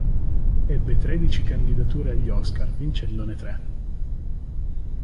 Ebbe tredici candidature agli Oscar, vincendone tre.